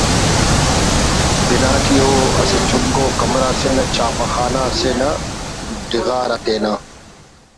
بنا T O اسہ چنکو کمرہ اسے نا چھاپہ خانہ اسے نا ڈغار آ تینا